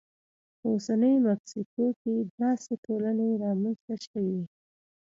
په اوسنۍ مکسیکو کې داسې ټولنې رامنځته شوې وې.